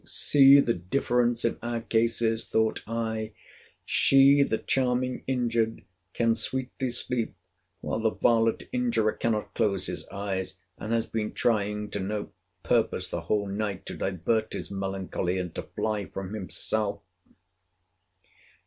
See the difference in our cases! thought I: she, the charming injured, can sweetly sleep, while the varlet injurer cannot close his eyes; and has been trying, to no purpose, the whole night to divert his melancholy, and to fly from himself!